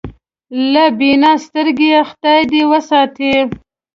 له بینا سترګېه خدای دې وساتي.